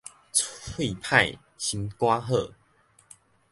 喙歹心肝好